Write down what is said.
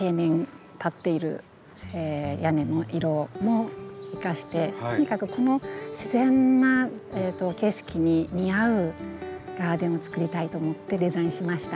屋根の色も生かしてとにかくこの自然な景色に似合うガーデンをつくりたいと思ってデザインしました。